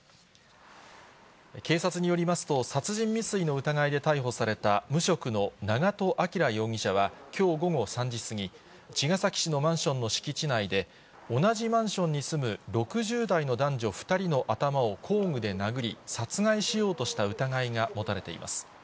警察によりますと、殺人未遂の疑いで逮捕された無職の永戸彰容疑者はきょう午後３時過ぎ、茅ヶ崎市のマンションの敷地内で、同じマンションに住む６０代の男女２人の頭を工具で殴り、殺害しようとした疑いが持たれています。